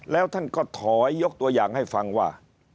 แล้วท่านก็ถอยยกตัวอย่างให้ฟังว่า